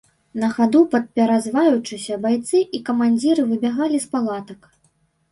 На хаду падпяразваючыся, байцы і камандзіры выбягалі з палатак.